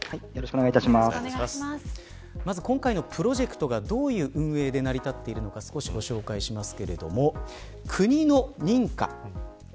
まず今回のプロジェクトがどういう運営で成り立っているのか少しご紹介します。